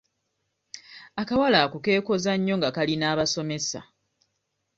Akawala ako keekoza nnyo nga kali n'abasomesa.